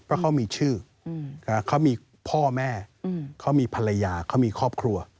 เพราะเขามีชื่อเขามีพ่อแม่เขามีภรรยาเขามีครอบครัว